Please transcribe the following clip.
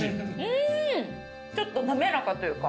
うんちょっと滑らかというか。